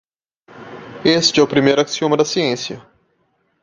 Este é o primeiro axioma da ciência.